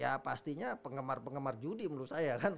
ya pastinya penggemar pengemar judi menurut saya kan